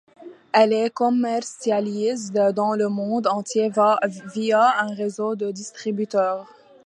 Elle les commercialise dans le monde entier via un réseau de distributeurs.